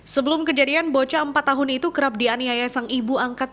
sebelum kejadian bocah empat tahun itu kerap dianiaya sang ibu angkat